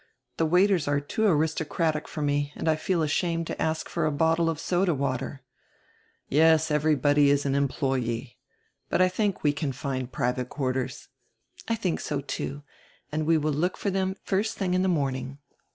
The waiters are too aristocratic for me and I feel ashamed to ask for a bottie of soda water." "Yes, everybody is an employee. But, I diink, we can find private quarters." "I diink so too. And we will look for diem die first tiling in the morning."